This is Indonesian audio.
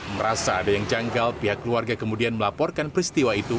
merasa ada yang janggal pihak keluarga kemudian melaporkan peristiwa itu